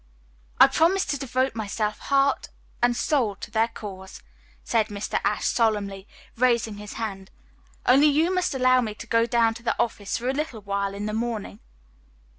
"I promise to devote myself heart and soul to their cause," said Mr. Ashe solemnly, raising his hand. "Only you must allow me to go down to the office for a little while in the morning."